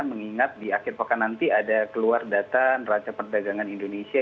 mengingat di akhir pekan nanti ada keluar data neraca perdagangan indonesia